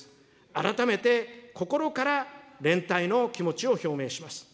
改めて心から連帯の気持ちを表明します。